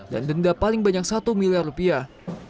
dan denda paling banyak satu miliar rupiah